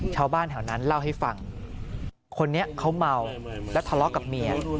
ชาวบ้านแถวนั้นเล่าให้ฟังคนนี้เขาเมาและทะเลาะกับเมีย